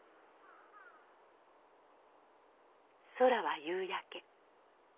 空は夕焼け。